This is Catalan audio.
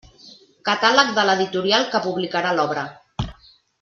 Catàleg de l'editorial que publicarà l'obra.